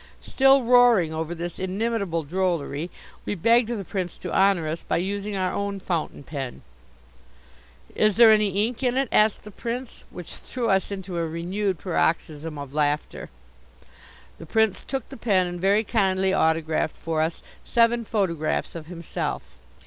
Still roaring over this inimitable drollery, we begged the Prince to honour us by using our own fountain pen. "Is there any ink in it?" asked the Prince which threw us into a renewed paroxysm of laughter. The Prince took the pen and very kindly autographed for us seven photographs of himself.